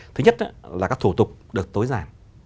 thứ nhất là các thủ tục được tối giản